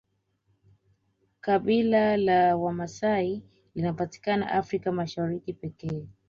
kabila la wamasai linapatikana africa mashariki pekee